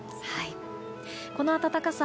この暖かさ